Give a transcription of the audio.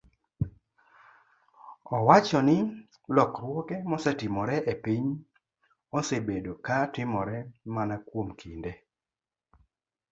owacho ni lokruoge mosetimore e piny osebedo ka timore mana kuom kinde